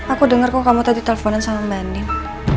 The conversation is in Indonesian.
aku denger kok kamu tadi telfonan sama mbanding